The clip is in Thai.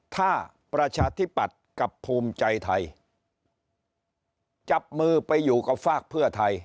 ถ้าประชาธิปัตย์กับภูมิใจไทยจับมือไปอยู่กับฝากเพื่อไทย